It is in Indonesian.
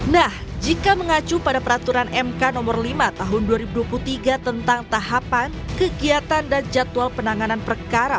nah jika mengacu pada peraturan mk nomor lima tahun dua ribu dua puluh tiga tentang tahapan kegiatan dan jadwal penanganan perkara